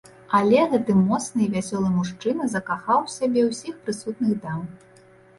Але гэты моцны і вясёлы мужчына закахаў у сябе ўсіх прысутных дам.